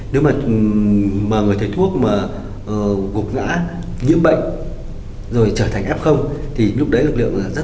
nếu mà người thầy thuốc mà gục ngã nhiễm bệnh rồi trở thành f thì lúc đấy lực lượng là rất